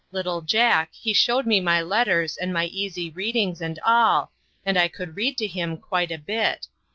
Little Jack, he showed me my letters, and my easy readings, and all, and I could read to him quite a bit.